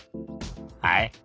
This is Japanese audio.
はい？